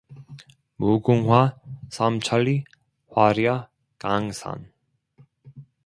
무궁화 삼천리 화려 강산